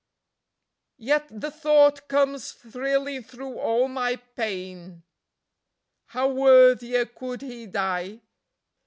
..... Yet the thought comes thrilling through all my pain: how worthier could he die?